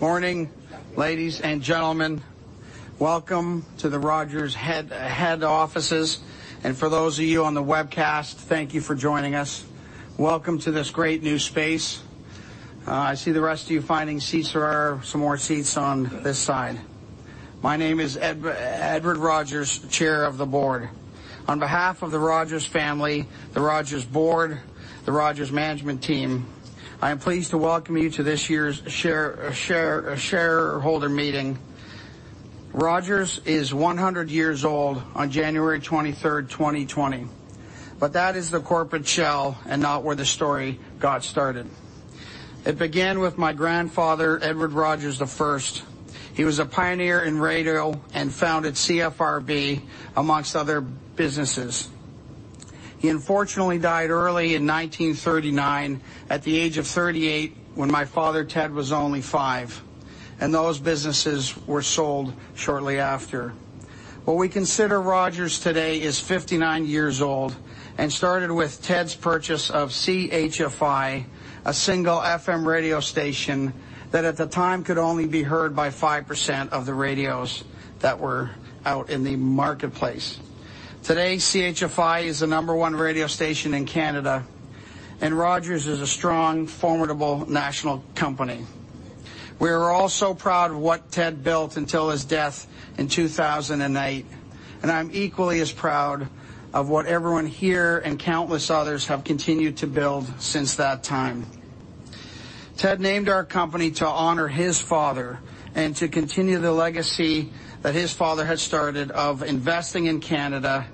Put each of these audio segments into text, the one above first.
Morning, ladies and gentlemen. Welcome to the Rogers head offices, and for those of you on the webcast, thank you for joining us. Welcome to this great new space. I see the rest of you finding seats or some more seats on this side. My name is Edward Rogers, Chair of the Board. On behalf of the Rogers family, the Rogers Board, the Rogers management team, I am pleased to welcome you to this year's shareholder meeting. Rogers is 100 years old on January 23rd, 2020, but that is the corporate shell and not where the story got started. It began with my grandfather, Edward Rogers I. He was a pioneer in radio and founded CFRB, among other businesses. He unfortunately died early in 1939 at the age of 38 when my father, Ted, was only five, and those businesses were sold shortly after. What we consider Rogers today is 59 years old and started with Ted's purchase of CHFI, a single FM radio station that at the time could only be heard by 5% of the radios that were out in the marketplace. Today, CHFI is the number one radio station in Canada, and Rogers is a strong, formidable national company. We are all so proud of what Ted built until his death in 2008, and I'm equally as proud of what everyone here and countless others have continued to build since that time. Ted named our company to honor his father and to continue the legacy that his father had started of investing in Canada,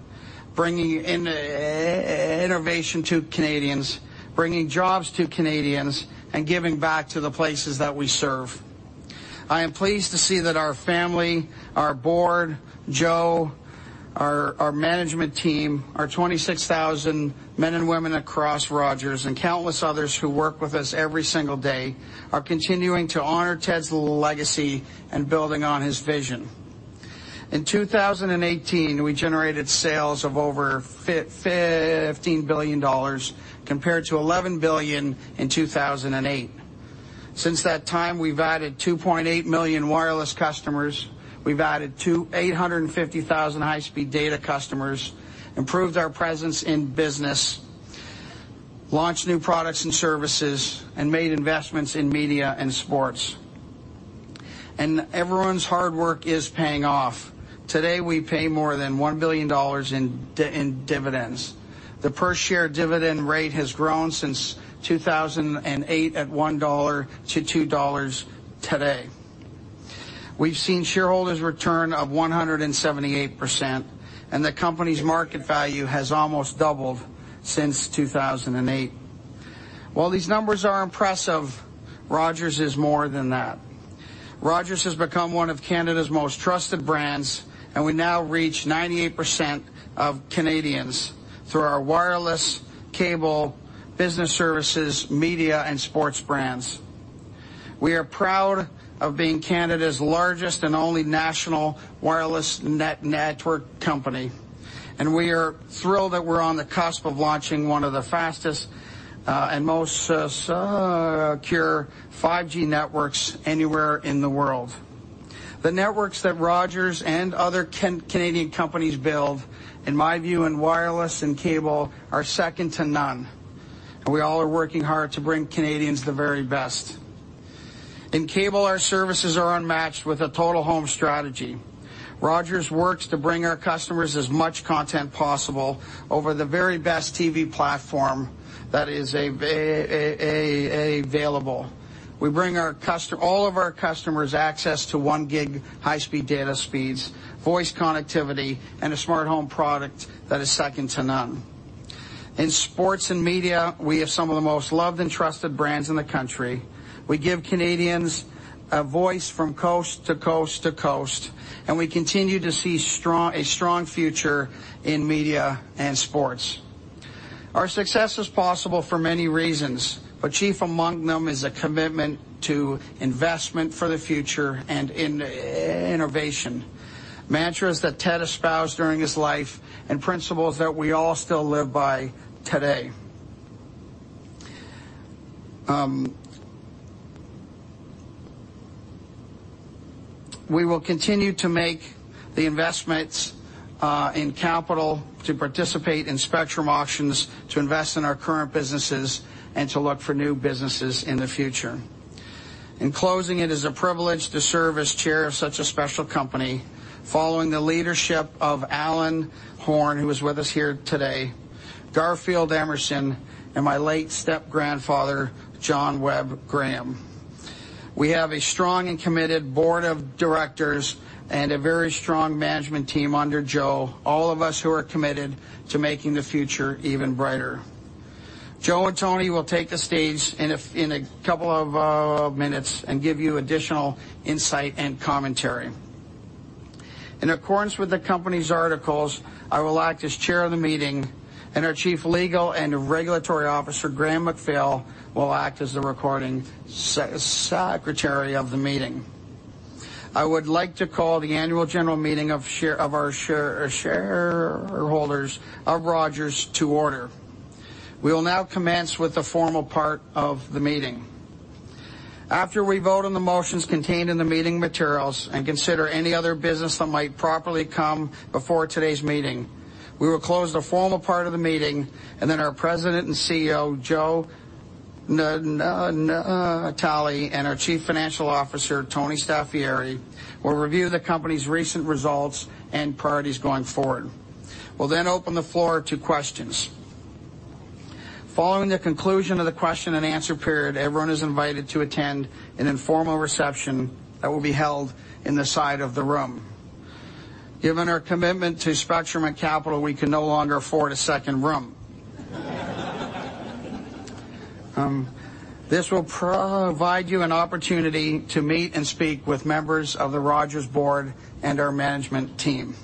bringing innovation to Canadians, bringing jobs to Canadians, and giving back to the places that we serve. I am pleased to see that our family, our board, Joe, our management team, our 26,000 men and women across Rogers, and countless others who work with us every single day are continuing to honor Ted's legacy and building on his vision. In 2018, we generated sales of over 15 billion dollars compared to 11 billion in 2008. Since that time, we've added 2.8 million wireless customers. We've added 850,000 high-speed data customers, improved our presence in business, launched new products and services, and made investments in media and sports. And everyone's hard work is paying off. Today, we pay more than 1 billion dollars in dividends. The per-share dividend rate has grown since 2008 at 1 dollar to 2 dollars today. We've seen shareholders return a 178%, and the company's market value has almost doubled since 2008. While these numbers are impressive, Rogers is more than that. Rogers has become one of Canada's most trusted brands, and we now reach 98% of Canadians through our wireless, cable, business services, media, and sports brands. We are proud of being Canada's largest and only national wireless network company. And we are thrilled that we're on the cusp of launching one of the fastest and most secure 5G networks anywhere in the world. The networks that Rogers and other Canadian companies build, in my view, in wireless and cable, are second to none. And we all are working hard to bring Canadians the very best. In cable, our services are unmatched with a total home strategy. Rogers works to bring our customers as much content possible over the very best TV platform that is available. We bring all of our customers access to 1 gig high-speed data speeds, voice connectivity, and a smart home product that is second to none. In sports and media, we have some of the most loved and trusted brands in the country. We give Canadians a voice from coast to coast to coast. And we continue to see a strong future in media and sports. Our success is possible for many reasons, but chief among them is a commitment to investment for the future and innovation, mantras that Ted espoused during his life, and principles that we all still live by today. We will continue to make the investments in capital to participate in spectrum auctions, to invest in our current businesses, and to look for new businesses in the future. In closing, it is a privilege to serve as Chair of such a special company following the leadership of Alan Horn, who is with us here today, Garfield Emerson, and my late step-grandfather, John Webb Graham. We have a strong and committed board of directors and a very strong management team under Joe, all of us who are committed to making the future even brighter. Joe and Tony will take the stage in a couple of minutes and give you additional insight and commentary. In accordance with the company's articles, I will act as Chair of the meeting, and our Chief Legal and Regulatory Officer, Graham McPhail, will act as the recording secretary of the meeting. I would like to call the Annual General Meeting of our shareholders of Rogers to order. We will now commence with the formal part of the meeting. After we vote on the motions contained in the meeting materials and consider any other business that might properly come before today's meeting, we will close the formal part of the meeting, and then our President and CEO, Joe Natale, and our Chief Financial Officer, Tony Staffieri, will review the company's recent results and priorities going forward. We'll then open the floor to questions. Following the conclusion of the question and answer period, everyone is invited to attend an informal reception that will be held in the side of the room. Given our commitment to spectrum and capital, we can no longer afford a second room. This will provide you an opportunity to meet and speak with members of the Rogers Board and our management team.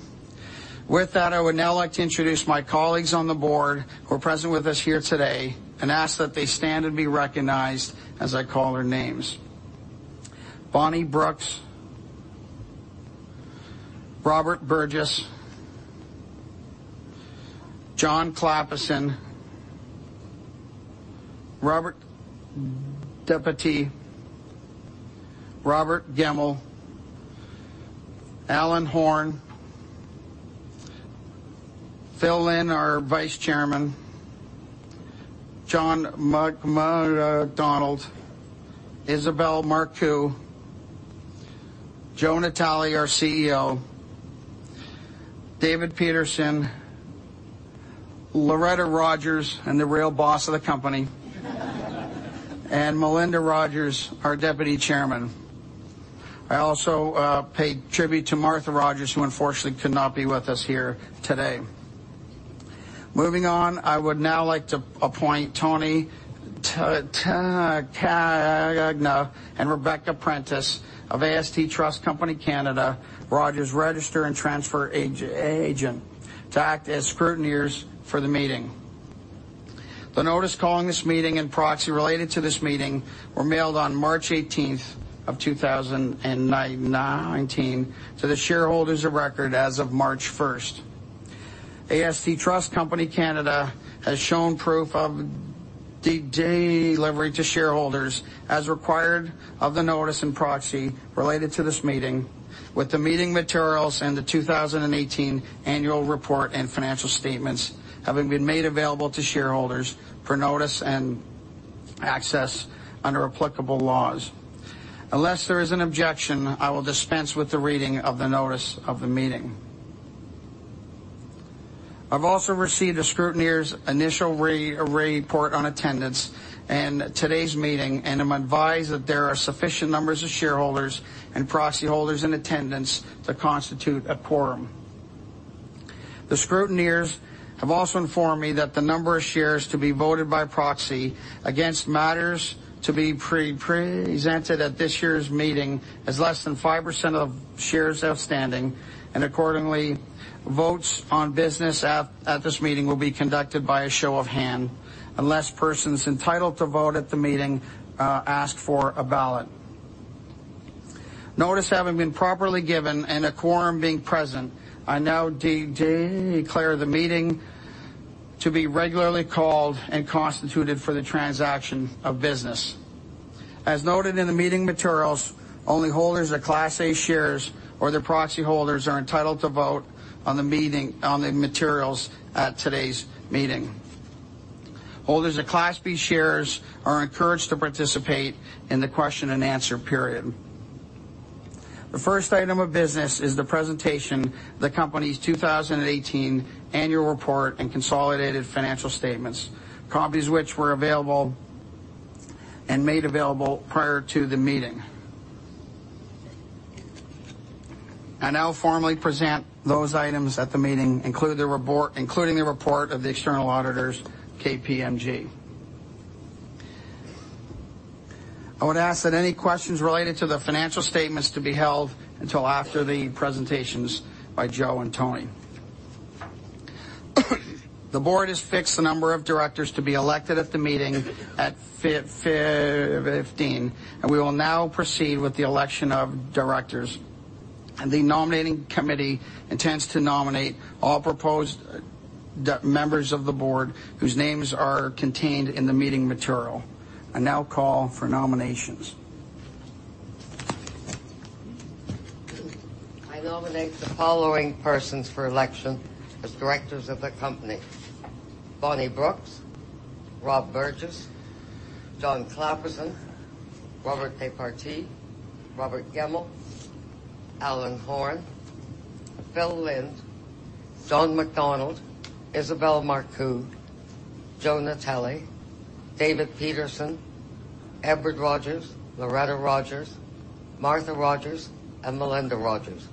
With that, I would now like to introduce my colleagues on the board who are present with us here today and ask that they stand and be recognized as I call their names: Bonnie Brooks, Robert Burgess, John Clappison, Robert Dépatie, Robert Gemmell, Alan Horn, Phil Lind, our Vice Chairman, John A. MacDonald, Isabelle Marcoux, Joe Natale, our CEO, David Peterson, Loretta Rogers, the real boss of the company, and Melinda Rogers, our Deputy Chairman. I also pay tribute to Martha Rogers, who unfortunately could not be with us here today. Moving on, I would now like to appoint Tony Cugliari and Rebecca Prentice of AST Trust Company Canada, Rogers Registrar and Transfer Agent, to act as scrutineers for the meeting. The notice calling this meeting and proxy related to this meeting were mailed on March 18th of 2019 to the shareholders of record as of March 1st. AST Trust Company Canada has shown proof of delivery to shareholders as required of the notice and proxy related to this meeting, with the meeting materials and the 2018 annual report and financial statements having been made available to shareholders for notice and access under applicable laws. Unless there is an objection, I will dispense with the reading of the notice of the meeting. I've also received a scrutineer's initial report on attendance and today's meeting, and I'm advised that there are sufficient numbers of shareholders and proxy holders in attendance to constitute a quorum. The scrutineers have also informed me that the number of shares to be voted by proxy against matters to be presented at this year's meeting is less than 5% of shares outstanding, and accordingly, votes on business at this meeting will be conducted by a show of hand unless persons entitled to vote at the meeting ask for a ballot. Notice having been properly given and a quorum being present, I now declare the meeting to be regularly called and constituted for the transaction of business. As noted in the meeting materials, only holders of Class A shares or their proxy holders are entitled to vote on the materials at today's meeting. Holders of Class B shares are encouraged to participate in the question and answer period. The first item of business is the presentation of the company's 2018 annual report and consolidated financial statements, copies of which were available and made available prior to the meeting. I now formally present those items at the meeting, including the report of the external auditors, KPMG. I would ask that any questions related to the financial statements to be held until after the presentations by Joe and Tony. The board has fixed the number of directors to be elected at the meeting at 15, and we will now proceed with the election of directors, and the nominating committee intends to nominate all proposed members of the board whose names are contained in the meeting material. I now call for nominations. I nominate the following persons for election as directors of the company: Bonnie Brooks, Rob Burgess, John Clappison, Robert Dépatie, Robert Gemmell, Alan Horn, Phil Lind, John A. MacDonald, Isabelle Marcoux, Joe Natale, David Peterson, Edward Rogers, Loretta Rogers, Martha Rogers, and Melinda Rogers,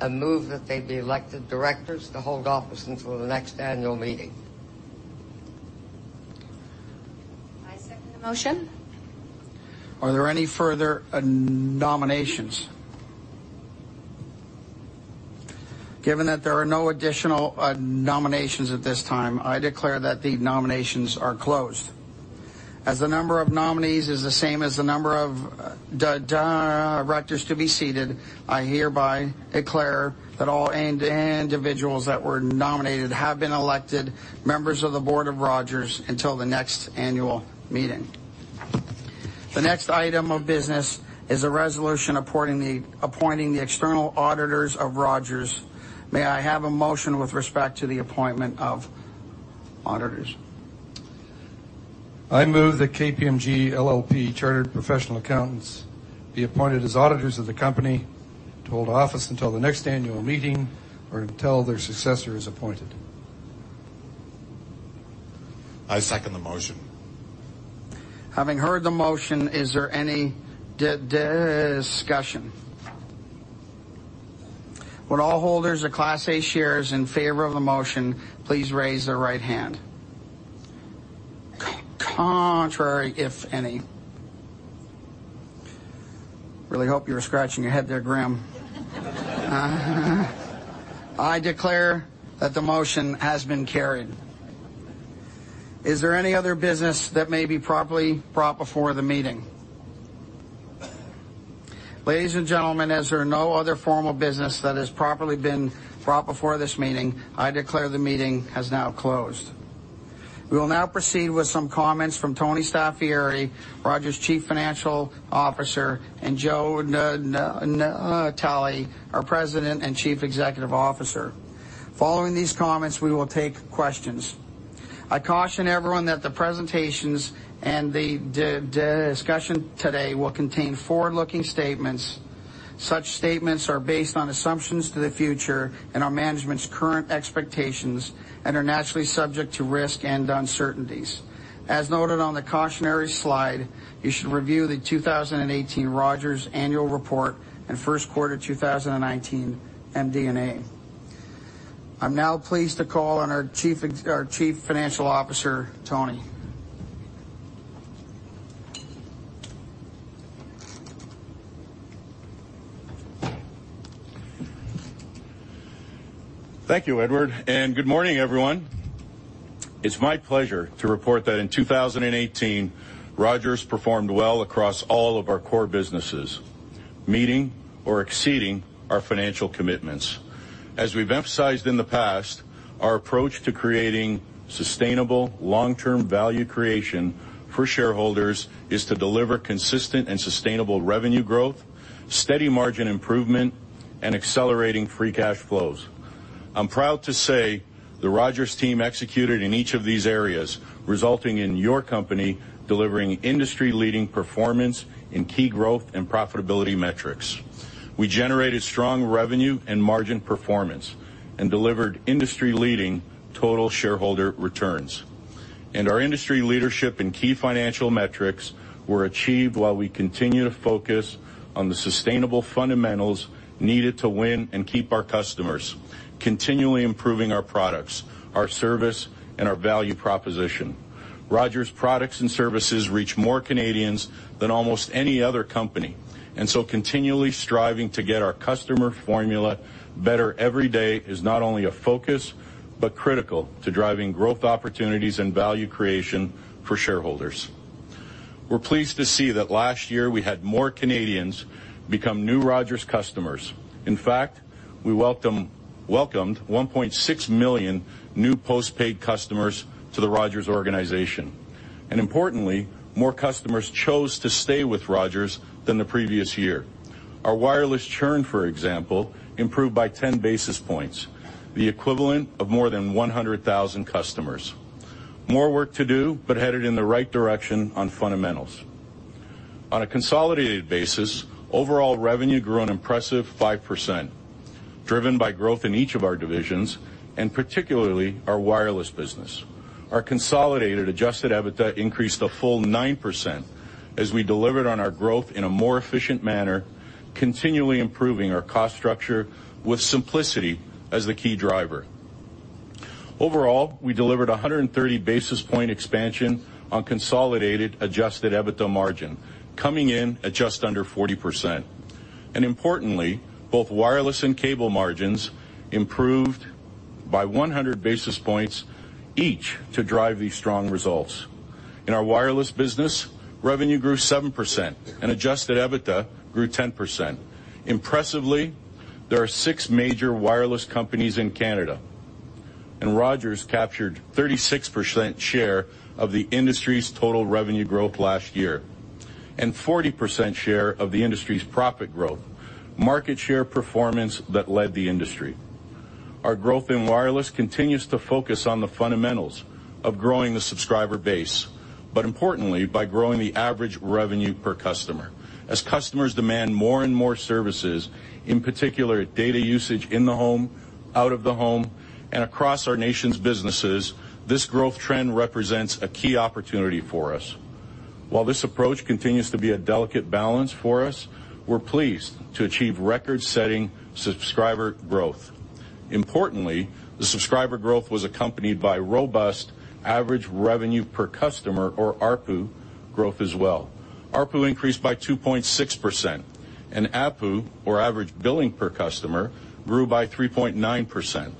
and move that they be elected directors to hold office until the next annual meeting. I second the motion. Are there any further nominations? Given that there are no additional nominations at this time, I declare that the nominations are closed. As the number of nominees is the same as the number of directors to be seated, I hereby declare that all individuals that were nominated have been elected members of the board of Rogers until the next annual meeting. The next item of business is a resolution appointing the external auditors of Rogers. May I have a motion with respect to the appointment of auditors? I move that KPMG LLP Chartered Professional Accountants be appointed as auditors of the company to hold office until the next annual meeting or until their successor is appointed. I second the motion. Having heard the motion, is there any discussion? Would all holders of Class A shares in favor of the motion please raise their right hand? Contrary, if any? Really hope you were scratching your head there, Graham. I declare that the motion has been carried. Is there any other business that may be properly brought before the meeting? Ladies and gentlemen, as there are no other formal business that has properly been brought before this meeting, I declare the meeting has now closed. We will now proceed with some comments from Tony Staffieri, Rogers' Chief Financial Officer, and Joe Natale, our President and Chief Executive Officer. Following these comments, we will take questions. I caution everyone that the presentations and the discussion today will contain forward-looking statements. Such statements are based on assumptions to the future and our management's current expectations and are naturally subject to risk and uncertainties. As noted on the cautionary slide, you should review the 2018 Rogers annual report and first quarter 2019 MD&A. I'm now pleased to call on our Chief Financial Officer, Tony. Thank you, Edward. And good morning, everyone. It's my pleasure to report that in 2018, Rogers performed well across all of our core businesses, meeting or exceeding our financial commitments. As we've emphasized in the past, our approach to creating sustainable long-term value creation for shareholders is to deliver consistent and sustainable revenue growth, steady margin improvement, and accelerating free cash flows. I'm proud to say the Rogers team executed in each of these areas, resulting in your company delivering industry-leading performance in key growth and profitability metrics. We generated strong revenue and margin performance and delivered industry-leading total shareholder returns. And our industry leadership and key financial metrics were achieved while we continue to focus on the sustainable fundamentals needed to win and keep our customers, continually improving our products, our service, and our value proposition. Rogers' products and services reach more Canadians than almost any other company. Continually striving to get our customer formula better every day is not only a focus but critical to driving growth opportunities and value creation for shareholders. We're pleased to see that last year we had more Canadians become new Rogers customers. In fact, we welcomed 1.6 million new postpaid customers to the Rogers organization. Importantly, more customers chose to stay with Rogers than the previous year. Our wireless churn, for example, improved by 10 basis points, the equivalent of more than 100,000 customers. More work to do, but headed in the right direction on fundamentals. On a consolidated basis, overall revenue grew an impressive 5%, driven by growth in each of our divisions and particularly our wireless business. Our consolidated adjusted EBITDA increased a full 9% as we delivered on our growth in a more efficient manner, continually improving our cost structure with simplicity as the key driver. Overall, we delivered 130 basis point expansion on consolidated adjusted EBITDA margin, coming in at just under 40%, and importantly, both wireless and cable margins improved by 100 basis points each to drive these strong results. In our wireless business, revenue grew 7% and adjusted EBITDA grew 10%. Impressively, there are six major wireless companies in Canada, and Rogers captured 36% share of the industry's total revenue growth last year and 40% share of the industry's profit growth, market share performance that led the industry. Our growth in wireless continues to focus on the fundamentals of growing the subscriber base, but importantly, by growing the average revenue per customer. As customers demand more and more services, in particular data usage in the home, out of the home, and across our nation's businesses, this growth trend represents a key opportunity for us. While this approach continues to be a delicate balance for us, we're pleased to achieve record-setting subscriber growth. Importantly, the subscriber growth was accompanied by robust average revenue per customer, or ARPU, growth as well. ARPU increased by 2.6%, and ABPU, or average billing per customer, grew by 3.9%.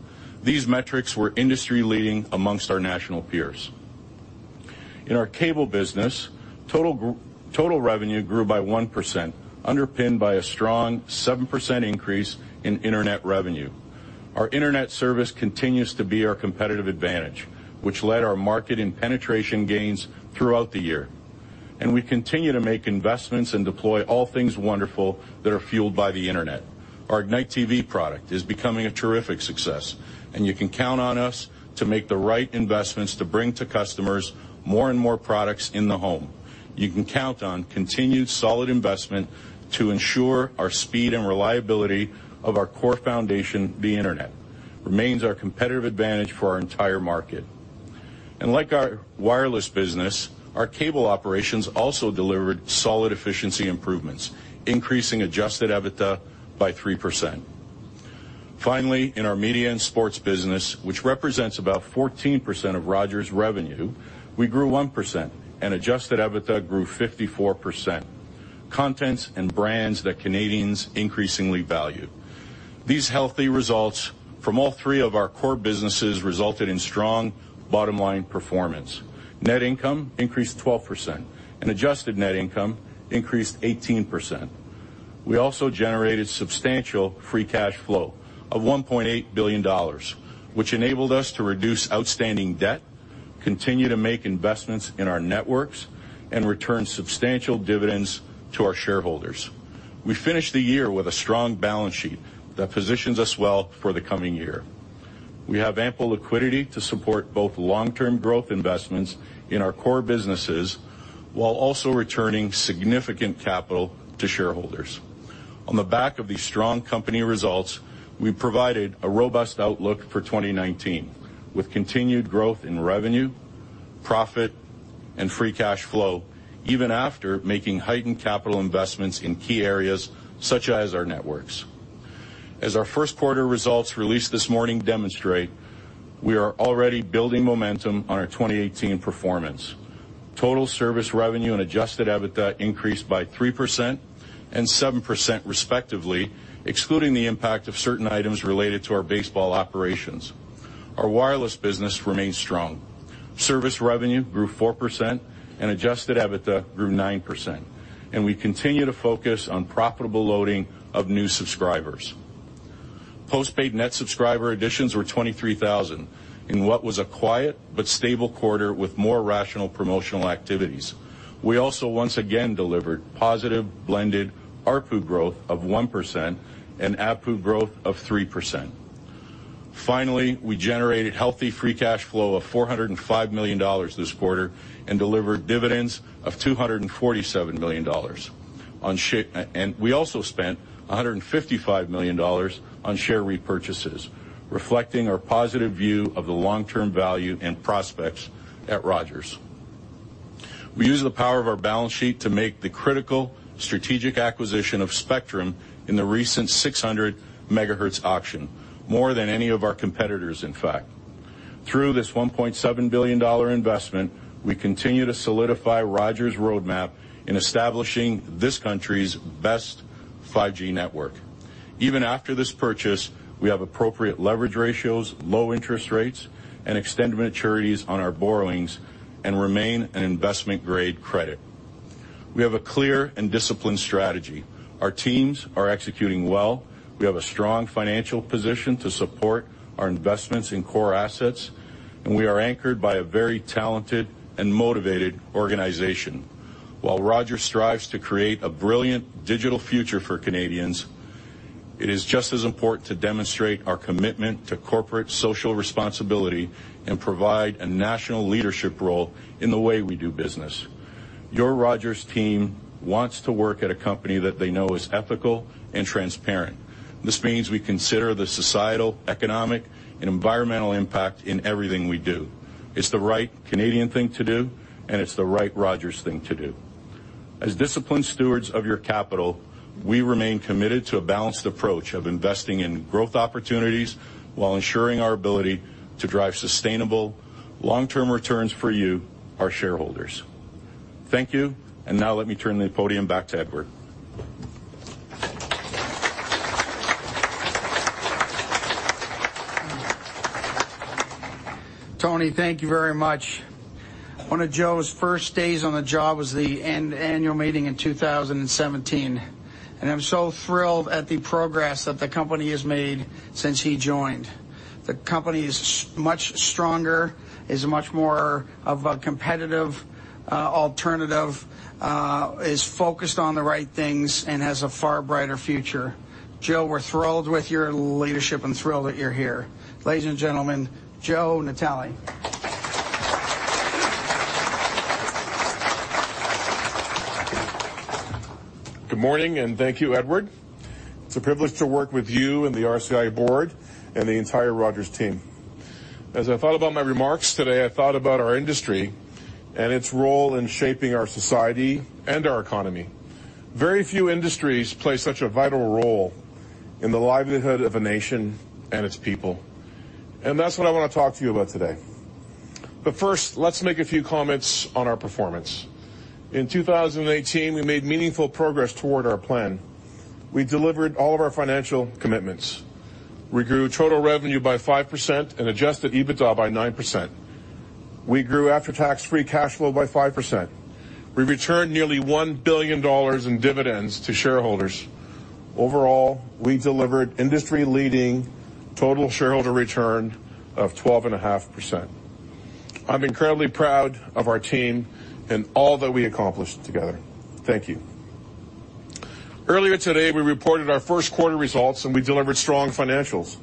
These metrics were industry-leading among our national peers. In our cable business, total revenue grew by 1%, underpinned by a strong 7% increase in internet revenue. Our internet service continues to be our competitive advantage, which led our market and penetration gains throughout the year, and we continue to make investments and deploy all things wonderful that are fueled by the internet. Our Ignite TV product is becoming a terrific success, and you can count on us to make the right investments to bring to customers more and more products in the home. You can count on continued solid investment to ensure our speed and reliability of our core foundation, the internet, remains our competitive advantage for our entire market. And like our wireless business, our cable operations also delivered solid efficiency improvements, increasing Adjusted EBITDA by 3%. Finally, in our media and sports business, which represents about 14% of Rogers' revenue, we grew 1%, and Adjusted EBITDA grew 54%. Contents and brands that Canadians increasingly value. These healthy results from all three of our core businesses resulted in strong bottom-line performance. Net income increased 12%, and adjusted net income increased 18%. We also generated substantial free cash flow of 1.8 billion dollars, which enabled us to reduce outstanding debt, continue to make investments in our networks, and return substantial dividends to our shareholders. We finished the year with a strong balance sheet that positions us well for the coming year. We have ample liquidity to support both long-term growth investments in our core businesses while also returning significant capital to shareholders. On the back of these strong company results, we provided a robust outlook for 2019 with continued growth in revenue, profit, and free cash flow, even after making heightened capital investments in key areas such as our networks. As our first quarter results released this morning demonstrate, we are already building momentum on our 2018 performance. Total service revenue and Adjusted EBITDA increased by 3% and 7%, respectively, excluding the impact of certain items related to our baseball operations. Our wireless business remained strong. Service revenue grew 4%, and Adjusted EBITDA grew 9%. And we continue to focus on profitable loading of new subscribers. Postpaid net subscriber additions were 23,000 in what was a quiet but stable quarter with more rational promotional activities. We also once again delivered positive blended ARPU growth of 1% and ABPU growth of 3%. Finally, we generated healthy free cash flow of 405 million dollars this quarter and delivered dividends of 247 million dollars. And we also spent 155 million dollars on share repurchases, reflecting our positive view of the long-term value and prospects at Rogers. We use the power of our balance sheet to make the critical strategic acquisition of spectrum in the recent 600 megahertz auction, more than any of our competitors, in fact. Through this 1.7 billion dollar investment, we continue to solidify Rogers' roadmap in establishing this country's best 5G network. Even after this purchase, we have appropriate leverage ratios, low interest rates, and extended maturities on our borrowings and remain an investment-grade credit. We have a clear and disciplined strategy. Our teams are executing well. We have a strong financial position to support our investments in core assets, and we are anchored by a very talented and motivated organization. While Rogers strives to create a brilliant digital future for Canadians, it is just as important to demonstrate our commitment to corporate social responsibility and provide a national leadership role in the way we do business. Your Rogers team wants to work at a company that they know is ethical and transparent. This means we consider the societal, economic, and environmental impact in everything we do. It's the right Canadian thing to do, and it's the right Rogers thing to do. As disciplined stewards of your capital, we remain committed to a balanced approach of investing in growth opportunities while ensuring our ability to drive sustainable long-term returns for you, our shareholders. Thank you. And now let me turn the podium back to Edward. Tony, thank you very much. One of Joe's first days on the job was the annual meeting in 2017, and I'm so thrilled at the progress that the company has made since he joined. The company is much stronger, is much more of a competitive alternative, is focused on the right things, and has a far brighter future. Joe, we're thrilled with your leadership and thrilled that you're here. Ladies and gentlemen, Joe Natale. Good morning, and thank you, Edward. It's a privilege to work with you and the RCI board and the entire Rogers team. As I thought about my remarks today, I thought about our industry and its role in shaping our society and our economy. Very few industries play such a vital role in the livelihood of a nation and its people. And that's what I want to talk to you about today. But first, let's make a few comments on our performance. In 2018, we made meaningful progress toward our plan. We delivered all of our financial commitments. We grew total revenue by 5% and Adjusted EBITDA by 9%. We grew after-tax free cash flow by 5%. We returned nearly 1 billion dollars in dividends to shareholders. Overall, we delivered industry-leading Total Shareholder Return of 12.5%. I'm incredibly proud of our team and all that we accomplished together. Thank you. Earlier today, we reported our first quarter results, and we delivered strong financials.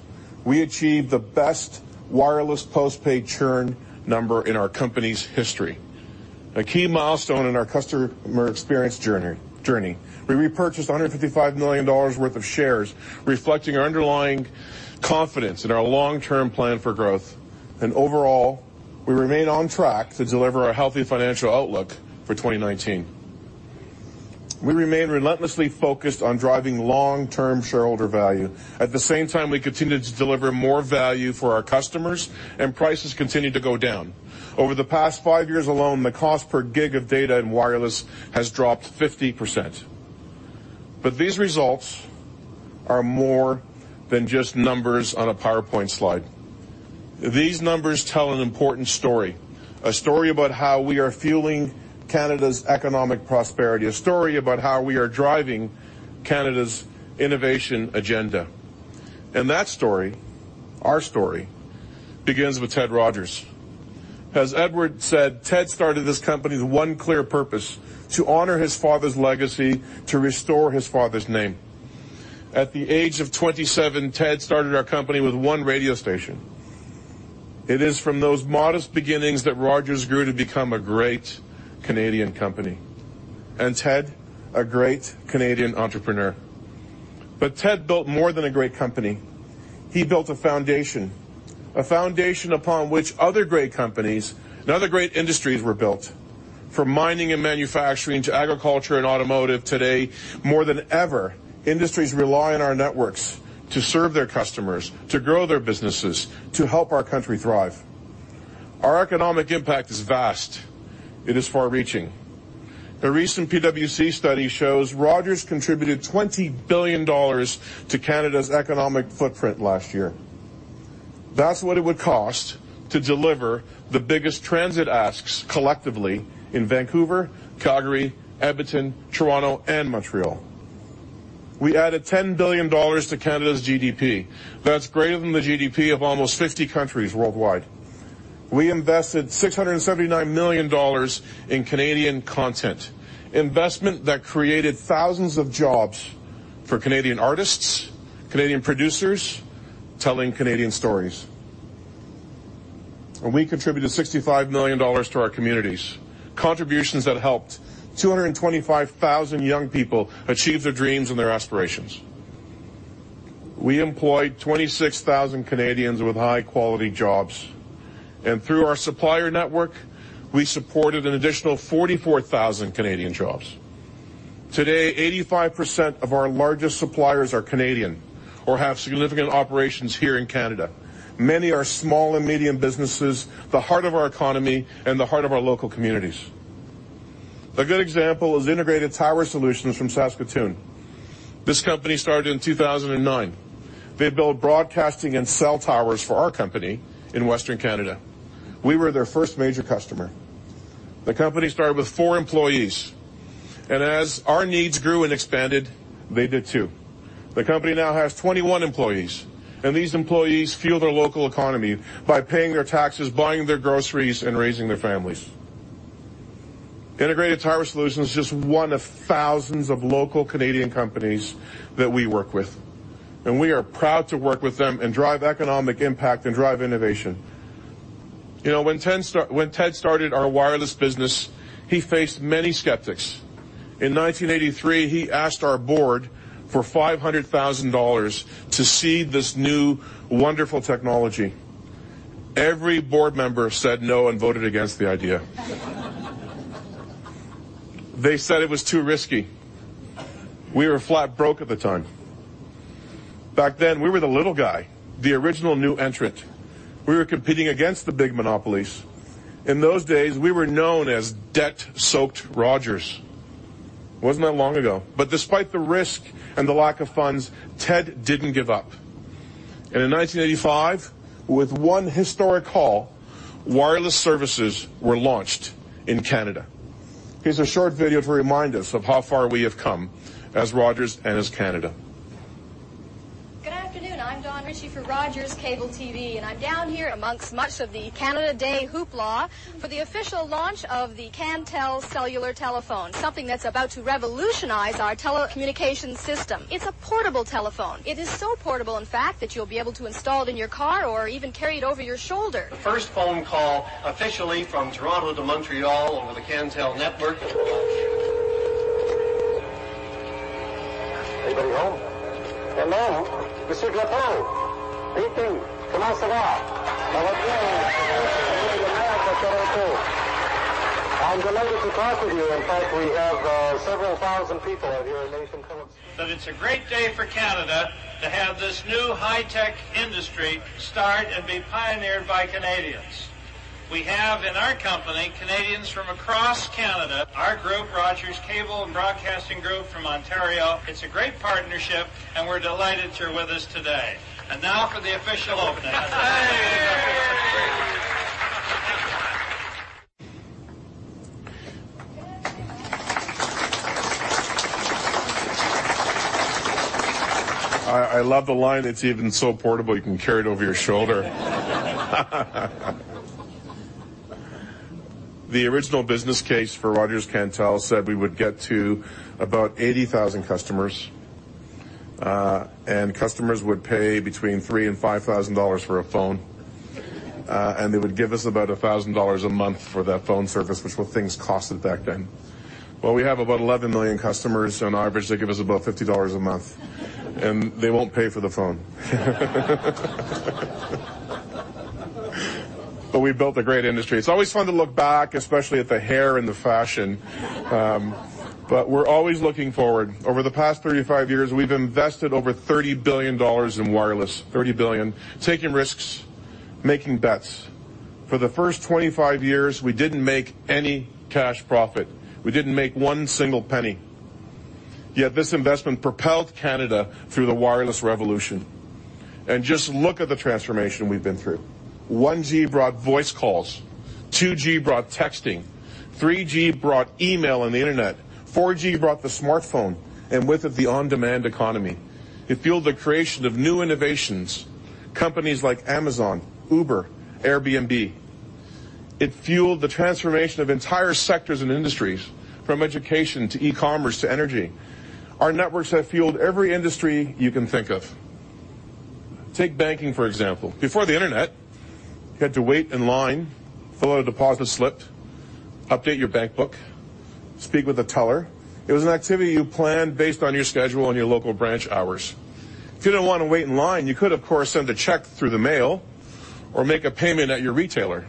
We achieved the best wireless postpaid churn number in our company's history, a key milestone in our customer experience journey. We repurchased 155 million dollars worth of shares, reflecting our underlying confidence in our long-term plan for growth, and overall, we remain on track to deliver a healthy financial outlook for 2019. We remain relentlessly focused on driving long-term shareholder value. At the same time, we continue to deliver more value for our customers, and prices continue to go down. Over the past five years alone, the cost per gig of data and wireless has dropped 50%, but these results are more than just numbers on a PowerPoint slide. These numbers tell an important story, a story about how we are fueling Canada's economic prosperity, a story about how we are driving Canada's innovation agenda. That story, our story, begins with Ted Rogers. As Edward said, Ted started this company with one clear purpose: to honor his father's legacy, to restore his father's name. At the age of 27, Ted started our company with one radio station. It is from those modest beginnings that Rogers grew to become a great Canadian company, and Ted, a great Canadian entrepreneur. But Ted built more than a great company. He built a foundation, a foundation upon which other great companies and other great industries were built. From mining and manufacturing to agriculture and automotive, today, more than ever, industries rely on our networks to serve their customers, to grow their businesses, to help our country thrive. Our economic impact is vast. It is far-reaching. A recent PwC study shows Rogers contributed 20 billion dollars to Canada's economic footprint last year. That's what it would cost to deliver the biggest transit asks collectively in Vancouver, Calgary, Edmonton, Toronto, and Montreal. We added 10 billion dollars to Canada's GDP. That's greater than the GDP of almost 50 countries worldwide. We invested 679 million dollars in Canadian content, investment that created thousands of jobs for Canadian artists, Canadian producers telling Canadian stories, and we contributed 65 million dollars to our communities, contributions that helped 225,000 young people achieve their dreams and their aspirations. We employed 26,000 Canadians with high-quality jobs, and through our supplier network, we supported an additional 44,000 Canadian jobs. Today, 85% of our largest suppliers are Canadian or have significant operations here in Canada. Many are small and medium businesses, the heart of our economy, and the heart of our local communities. A good example is Integrated Tower Solutions from Saskatoon. This company started in 2009. They built broadcasting and cell towers for our company in Western Canada. We were their first major customer. The company started with four employees, and as our needs grew and expanded, they did too. The company now has 21 employees, and these employees fuel their local economy by paying their taxes, buying their groceries, and raising their families. Integrated Tower Solutions is just one of thousands of local Canadian companies that we work with, and we are proud to work with them and drive economic impact and drive innovation. When Ted started our wireless business, he faced many skeptics. In 1983, he asked our board for 500,000 dollars to see this new wonderful technology. Every board member said no and voted against the idea. They said it was too risky. We were flat broke at the time. Back then, we were the little guy, the original new entrant. We were competing against the big monopolies. In those days, we were known as debt-soaked Rogers. It wasn't that long ago. But despite the risk and the lack of funds, Ted didn't give up. And in 1985, with one historic call, wireless services were launched in Canada. Here's a short video to remind us of how far we have come as Rogers and as Canada. Good afternoon. I'm Dawn Ritchie for Rogers Cable TV. And I'm down here amongst much of the Canada Day hoopla for the official launch of the Cantel cellular telephone, something that's about to revolutionize our telecommunications system. It's a portable telephone. It is so portable, in fact, that you'll be able to install it in your car or even carry it over your shoulder. The first phone call officially from Toronto to Montreal over the Cantel network. Anybody home? Hello. Received the phone. Greetings. Commence now. Now. Good evening. Good evening, America. Good evening to you. I'm delighted to talk with you. In fact, we have several thousand people out here in the nation tonight. But it's a great day for Canada to have this new high-tech industry start and be pioneered by Canadians. We have, in our company, Canadians from across Canada, our group, Rogers Cable and Broadcasting Group from Ontario. It's a great partnership, and we're delighted you're with us today. And now for the official opening. I love the line that it's even so portable you can carry it over your shoulder. The original business case for Rogers Cantel said we would get to about 80,000 customers, and customers would pay between 3,000 and 5,000 dollars for a phone, and they would give us about 1,000 dollars a month for that phone service, which were things costed back then. Well, we have about 11 million customers on average. They give us about $50 a month. And they won't pay for the phone. But we built a great industry. It's always fun to look back, especially at the hair and the fashion. But we're always looking forward. Over the past 35 years, we've invested over 30 billion dollars in wireless, 30 billion, taking risks, making bets. For the first 25 years, we didn't make any cash profit. We didn't make one single penny. Yet this investment propelled Canada through the wireless revolution. And just look at the transformation we've been through. 1G brought voice calls. 2G brought texting. 3G brought email and the internet. 4G brought the smartphone and with it, the on-demand economy. It fueled the creation of new innovations, companies like Amazon, Uber, Airbnb. It fueled the transformation of entire sectors and industries, from education to e-commerce to energy. Our networks have fueled every industry you can think of. Take banking, for example. Before the internet, you had to wait in line, fill out a deposit slip, update your bank book, speak with a teller. It was an activity you planned based on your schedule and your local branch hours. If you didn't want to wait in line, you could, of course, send a check through the mail or make a payment at your retailer.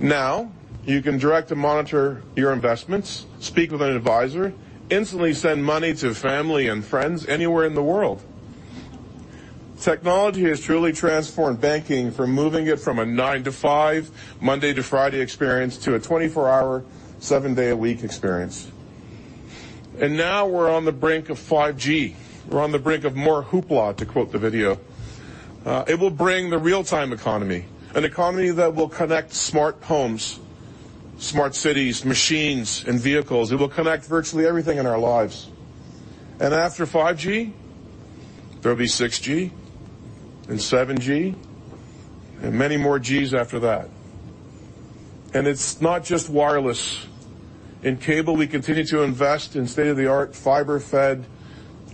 Now, you can direct and monitor your investments, speak with an advisor, instantly send money to family and friends anywhere in the world. Technology has truly transformed banking from moving it from a 9:00 A.M. to 5:00 P.M., Monday to Friday experience to a 24-hour, seven-day-a-week experience. And now we're on the brink of 5G. We're on the brink of more hoopla, to quote the video. It will bring the real-time economy, an economy that will connect smart homes, smart cities, machines, and vehicles. It will connect virtually everything in our lives. And after 5G, there'll be 6G and 7G and many more Gs after that. And it's not just wireless. In cable, we continue to invest in state-of-the-art fiber-fed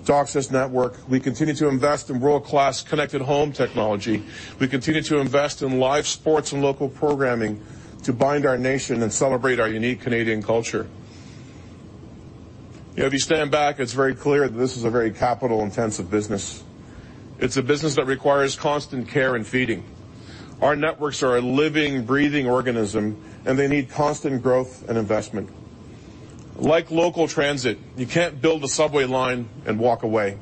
DOCSIS network. We continue to invest in world-class connected home technology. We continue to invest in live sports and local programming to bind our nation and celebrate our unique Canadian culture. If you stand back, it's very clear that this is a very capital-intensive business. It's a business that requires constant care and feeding. Our networks are a living, breathing organism, and they need constant growth and investment. Like local transit, you can't build a subway line and walk away.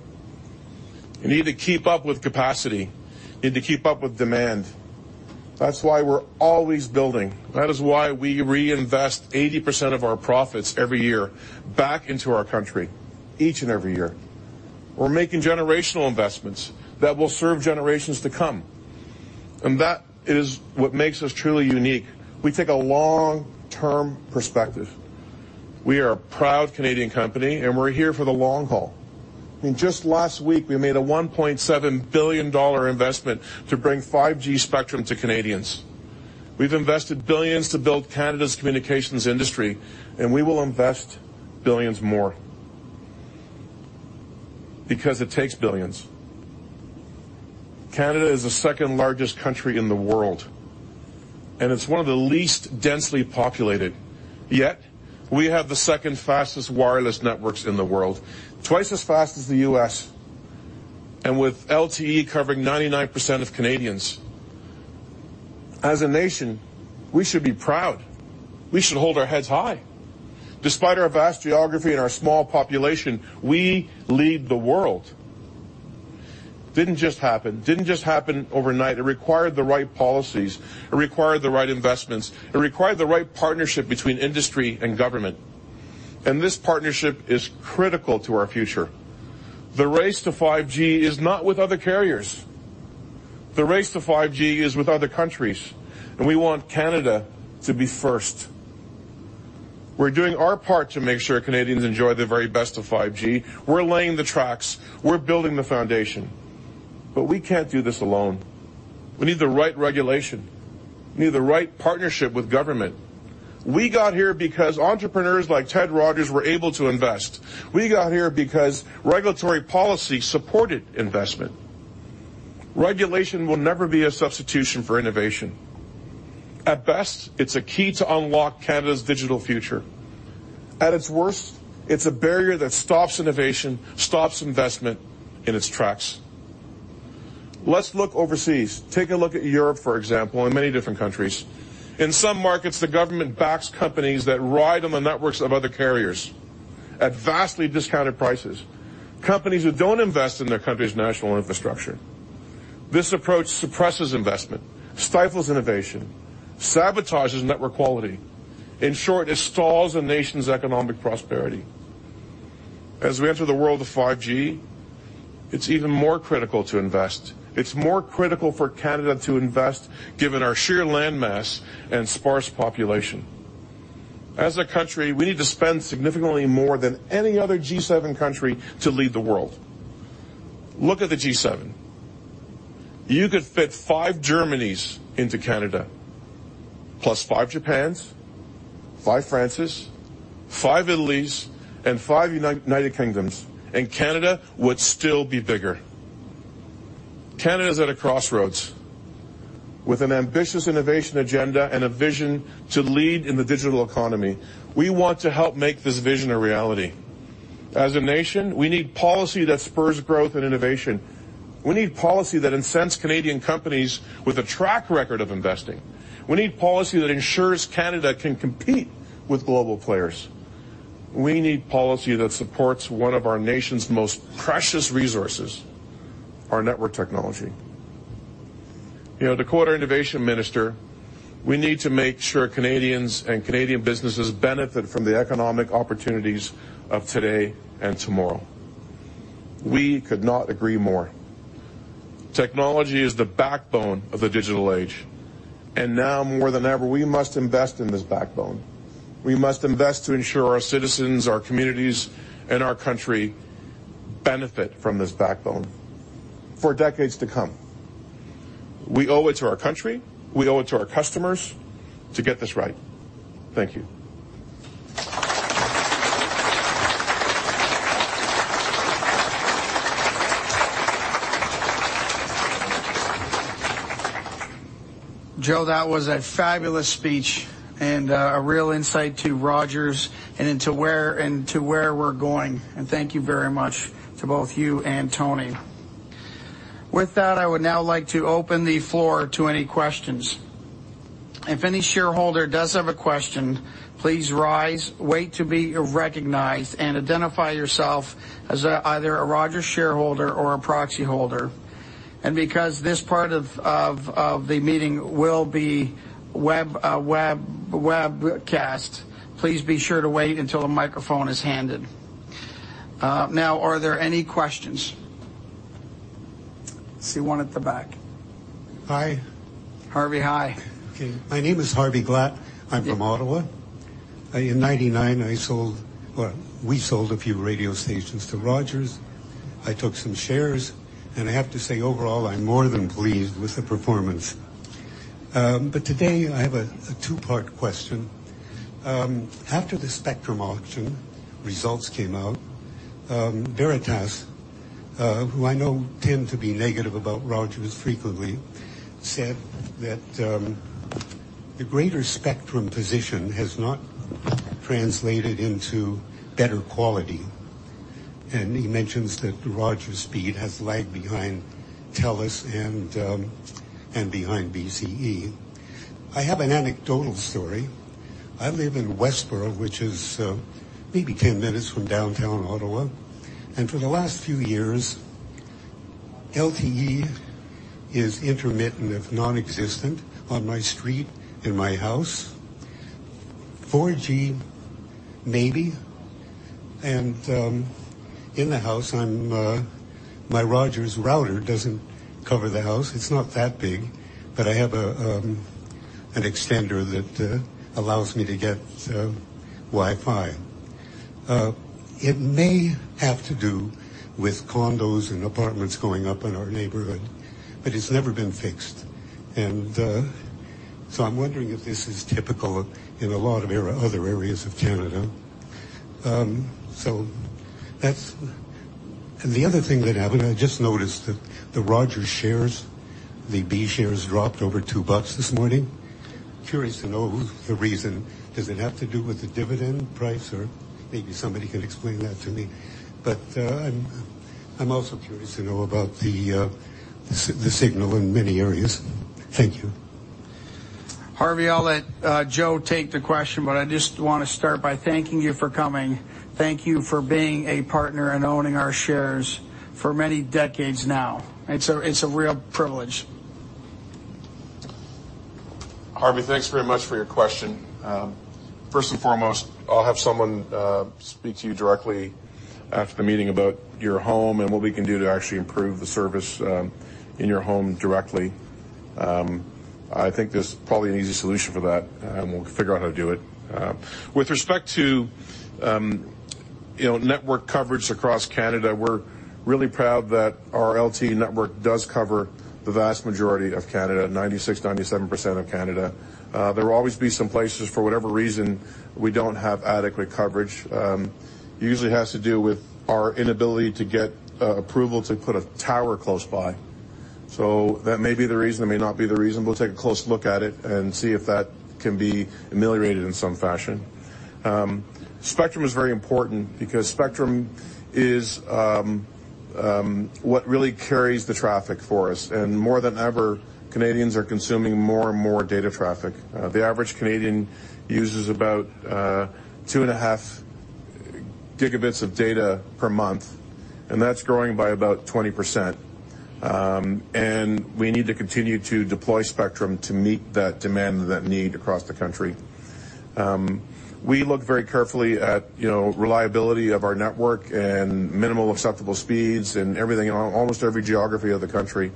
You need to keep up with capacity. You need to keep up with demand. That's why we're always building. That is why we reinvest 80% of our profits every year back into our country each and every year. We're making generational investments that will serve generations to come. And that is what makes us truly unique. We take a long-term perspective. We are a proud Canadian company, and we're here for the long haul. I mean, just last week, we made a 1.7 billion dollar investment to bring 5G spectrum to Canadians. We've invested billions to build Canada's communications industry, and we will invest billions more because it takes billions. Canada is the second largest country in the world, and it's one of the least densely populated. Yet, we have the second fastest wireless networks in the world, twice as fast as the U.S., and with LTE covering 99% of Canadians. As a nation, we should be proud. We should hold our heads high. Despite our vast geography and our small population, we lead the world. Didn't just happen. Didn't just happen overnight. It required the right policies. It required the right investments. It required the right partnership between industry and government. And this partnership is critical to our future. The race to 5G is not with other carriers. The race to 5G is with other countries. And we want Canada to be first. We're doing our part to make sure Canadians enjoy the very best of 5G. We're laying the tracks. We're building the foundation. But we can't do this alone. We need the right regulation. We need the right partnership with government. We got here because entrepreneurs like Ted Rogers were able to invest. We got here because regulatory policy supported investment. Regulation will never be a substitution for innovation. At best, it's a key to unlock Canada's digital future. At its worst, it's a barrier that stops innovation, stops investment in its tracks. Let's look overseas. Take a look at Europe, for example, and many different countries. In some markets, the government backs companies that ride on the networks of other carriers at vastly discounted prices, companies who don't invest in their country's national infrastructure. This approach suppresses investment, stifles innovation, sabotages network quality. In short, it stalls a nation's economic prosperity. As we enter the world of 5G, it's even more critical to invest. It's more critical for Canada to invest given our sheer landmass and sparse population. As a country, we need to spend significantly more than any other G7 country to lead the world. Look at the G7. You could fit five Germanys into Canada, plus five Japans, five Frances, five Italys, and five United Kingdoms, and Canada would still be bigger. Canada's at a crossroads with an ambitious innovation agenda and a vision to lead in the digital economy. We want to help make this vision a reality. As a nation, we need policy that spurs growth and innovation. We need policy that incents Canadian companies with a track record of investing. We need policy that ensures Canada can compete with global players. We need policy that supports one of our nation's most precious resources, our network technology. To quote, our innovation minister, we need to make sure Canadians and Canadian businesses benefit from the economic opportunities of today and tomorrow. We could not agree more. Technology is the backbone of the digital age. And now, more than ever, we must invest in this backbone. We must invest to ensure our citizens, our communities, and our country benefit from this backbone for decades to come. We owe it to our country. We owe it to our customers to get this right. Thank you. Joe, that was a fabulous speech and a real insight to Rogers and into where we're going. And thank you very much to both you and Tony. With that, I would now like to open the floor to any questions. If any shareholder does have a question, please rise, wait to be recognized, and identify yourself as either a Rogers shareholder or a proxy holder. And because this part of the meeting will be webcast, please be sure to wait until a microphone is handed. Now, are there any questions? I see one at the back. Hi. Harvey, hi. Okay. My name is Harvey Glatt. I'm from Ottawa. In 1999, I sold, well, we sold a few radio stations to Rogers. I took some shares, and I have to say, overall, I'm more than pleased with the performance, but today, I have a two-part question. After the spectrum auction results came out, Veritas, who I know tend to be negative about Rogers frequently, said that the greater spectrum position has not translated into better quality, and he mentions that Rogers speed has lagged behind TELUS and behind BCE. I have an anecdotal story. I live in Westboro, which is maybe 10 minutes from downtown Ottawa, and for the last few years, LTE is intermittent, if nonexistent, on my street, in my house. 4G, maybe, and in the house, my Rogers router doesn't cover the house. It's not that big, but I have an extender that allows me to get Wi-Fi. It may have to do with condos and apartments going up in our neighborhood, but it's never been fixed, and so I'm wondering if this is typical in a lot of other areas of Canada, so that's the other thing that happened. I just noticed that the Rogers shares, the B shares, dropped over 2 bucks this morning. Curious to know the reason. Does it have to do with the dividend price? Or maybe somebody can explain that to me, but I'm also curious to know about the signal in many areas. Thank you. Harvey, I'll let Joe take the question, but I just want to start by thanking you for coming. Thank you for being a partner and owning our shares for many decades now. It's a real privilege. Harvey, thanks very much for your question. First and foremost, I'll have someone speak to you directly after the meeting about your home and what we can do to actually improve the service in your home directly. I think there's probably an easy solution for that, and we'll figure out how to do it. With respect to network coverage across Canada, we're really proud that our LTE network does cover the vast majority of Canada, 96%-97% of Canada. There will always be some places, for whatever reason, we don't have adequate coverage. Usually, it has to do with our inability to get approval to put a tower close by. So that may be the reason. It may not be the reason. We'll take a close look at it and see if that can be ameliorated in some fashion. Spectrum is very important because spectrum is what really carries the traffic for us, and more than ever, Canadians are consuming more and more data traffic. The average Canadian uses about 2.5 gigabytes of data per month, and that's growing by about 20%, and we need to continue to deploy spectrum to meet that demand and that need across the country. We look very carefully at reliability of our network and minimal acceptable speeds and everything in almost every geography of the country,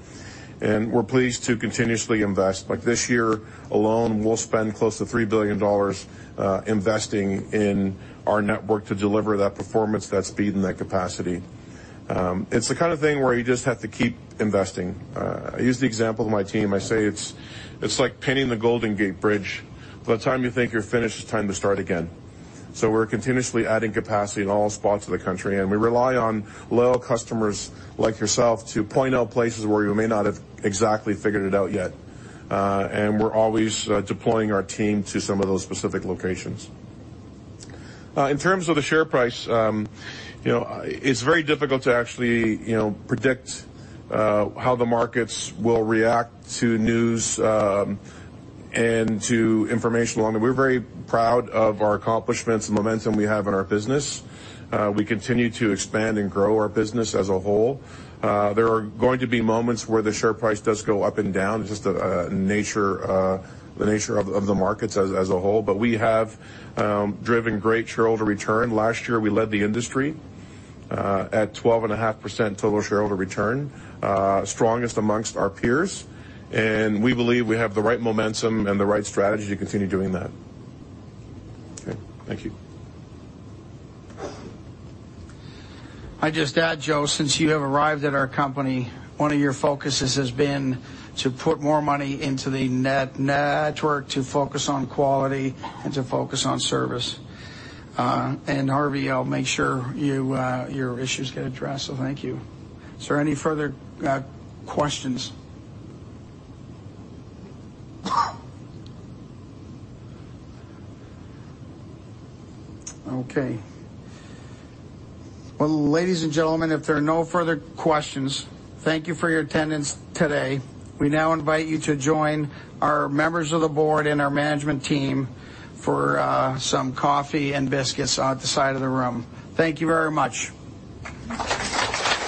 and we're pleased to continuously invest. Like this year alone, we'll spend close to 3 billion dollars investing in our network to deliver that performance, that speed, and that capacity. It's the kind of thing where you just have to keep investing. I use the example of my team. I say it's like painting the Golden Gate Bridge. By the time you think you're finished, it's time to start again. So we're continuously adding capacity in all spots of the country. And we rely on loyal customers like yourself to point out places where you may not have exactly figured it out yet. And we're always deploying our team to some of those specific locations. In terms of the share price, it's very difficult to actually predict how the markets will react to news and to information along the way. We're very proud of our accomplishments and momentum we have in our business. We continue to expand and grow our business as a whole. There are going to be moments where the share price does go up and down. It's just the nature of the markets as a whole. But we have driven great shareholder return. Last year, we led the industry at 12.5% Total Shareholder Return, strongest among our peers, and we believe we have the right momentum and the right strategy to continue doing that. Okay. Thank you. I just add, Joe, since you have arrived at our company, one of your focuses has been to put more money into the network, to focus on quality, and to focus on service. And Harvey, I'll make sure your issues get addressed. So thank you. Is there any further questions? Okay. Well, ladies and gentlemen, if there are no further questions, thank you for your attendance today. We now invite you to join our members of the board and our management team for some coffee and biscuits outside of the room. Thank you very much.